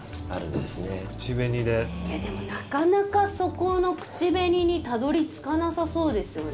でも、なかなかそこの口紅にたどり着かなさそうですよね。